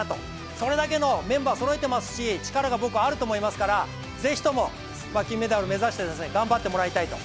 それだけのメンバーをそろえてますし力があると、僕は思ってますから是非とも、金メダル目指して頑張ってもらいたいと。